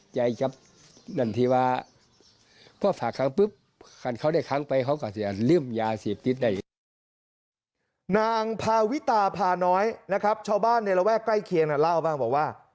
ชาวบ้านในระแว่ใกล้เคียงเล่าบ้างบอกว่า